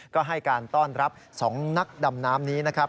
ก็ให้การต้อนรับ๒นักดำน้ำนี้นะครับ